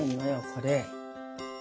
これ。